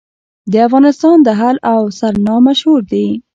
د افغانستان دهل او سرنا مشهور دي